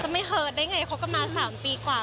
จะไม่เฮิร์ดได้อย่างไรคบกันมา๓ปีกว่า